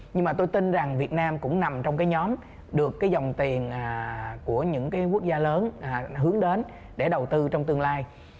nhưng mà tôi tin rằng việt nam cũng nằm trong cái nhóm được cái dòng tiền của những cái quốc gia lớn hướng đến để đầu tư trong tương lai